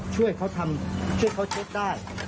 ช่วยเขาทำช่วยเขาเช็คได้